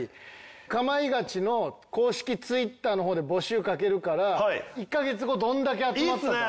『かまいガチ』の公式ツイッターの方で募集かけるから１カ月後どんだけ集まったか。